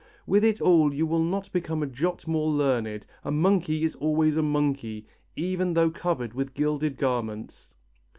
With it all you will not become a jot more learned; a monkey is always a monkey, even though covered with gilded garments."